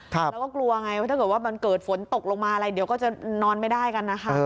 แล้วก็กลัวอย่างไรผมจะกลัวว่าเกิดฝนตกลงมาอะไรเดี๋ยวก็จะนอนไม่ได้กันนะคะ